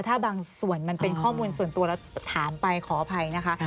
ถ้าบางส่วนมันเป็นข้อมูลส่วนตัวแล้วถามไปขออภัยนะคะ